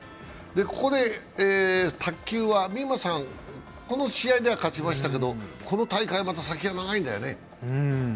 卓球は、美誠さん、この試合では勝ちましたけど、この大会、まだ先が長いんだよね。